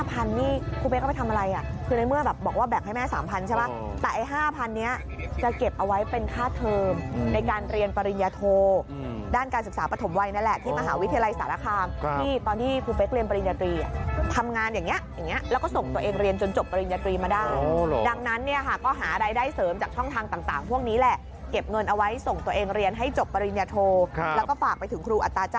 ๕๐๐๐บาทนี่ครูเป๊กก็ไปทำอะไรอ่ะคือในเมื่อแบบบอกว่าแบกให้แม่๓๐๐๐บาทใช่ปะแต่ไอ้๕๐๐๐บาทเนี่ยจะเก็บเอาไว้เป็นค่าเทอมในการเรียนปริญญาโทด้านการศึกษาประถมวัยนั่นแหละที่มหาวิทยาลัยสารคามที่ตอนที่ครูเป๊กเรียนปริญญาตรีอ่ะทำงานอย่างนี้อย่างนี้แล้วก็ส่งตัวเองเรียนจนจบปริญญาตร